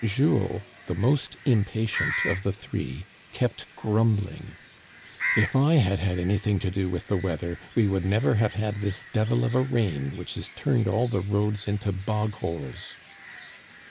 Jules, the most impatient of the three, kept grumbling :" If I had had anything to do with the weather we would never have had this devil of a rain which has turned all the roads into bogholes."